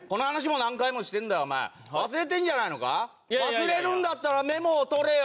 忘れるんだったらメモを取れよ。